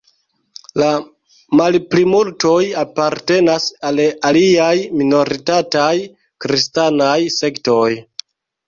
La malplimultoj apartenas al aliaj minoritataj kristanaj sektoj.